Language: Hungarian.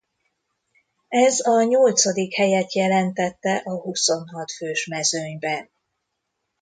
Ez a nyolcadik helyet jelentette a huszonhat fős mezőnyben.